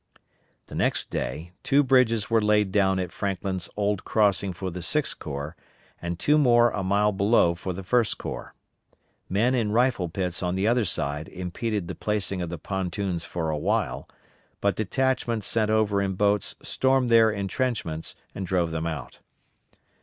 The next day two bridges were laid down at Franklin's old crossing for the Sixth Corps, and two more a mile below for the First Corps. Men in rifle pits on the other side impeded the placing of the pontoons for a while, but detachments sent over in boats stormed their intrenchments, and drove them out.